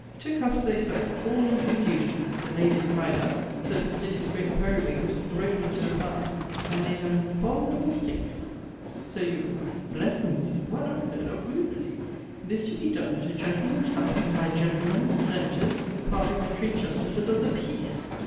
To cuffs they fell, all in confusion; the ladies cryed out, Sir Fastidious' great periwig was throwne into the fire and made an abominable stinke. Sir Eubule. Blesse me! What unheard of rudenesse! This to be donne at a gentleman's house and by gentlemen, senators, parliamentary justices of the peace!